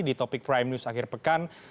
di topik prime news akhir pekan